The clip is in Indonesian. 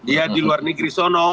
ya di luar negeri sono